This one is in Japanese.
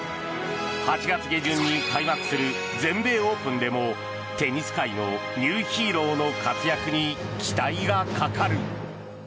８月下旬に開幕する全米オープンでもテニス界のニューヒーローの活躍に期待がかかる。